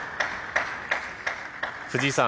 藤井さん